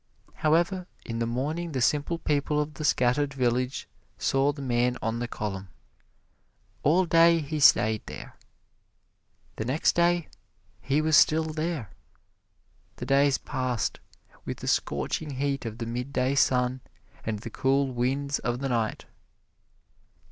However, in the morning the simple people of the scattered village saw the man on the column. All day he stayed there. The next day he was still there. The days passed, with the scorching heat of the midday sun, and the cool winds of the night.